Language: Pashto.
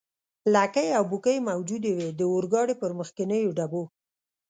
لکۍ او بوکۍ موجودې وې، د اورګاډي پر مخکنیو ډبو.